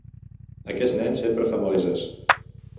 Aquest nen sempre fa maleses.